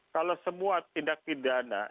kalau semua tindak pidana